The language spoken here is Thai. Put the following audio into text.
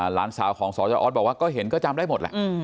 หลานสาวของสจออสบอกว่าก็เห็นก็จำได้หมดแหละ